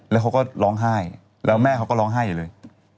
แล้วเขาก็ร้องไห้แล้วแม่เขาก็ร้องไห้อยู่เลย